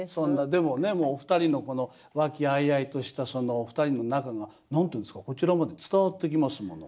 でもねお二人のこの和気あいあいとしたそのお二人の仲が何て言うんですかこちらまで伝わってきますもの。